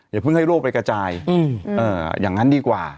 อย่าเพิ่งให้โรคไปกระจายอย่างนั้นดีกว่า